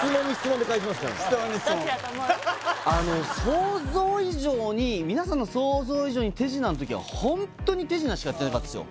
想像以上に皆さんの想像以上に手品の時はホントに手品しかやってなかったですよ